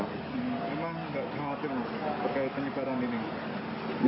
emang nggak khawatir pakai penyebaran ini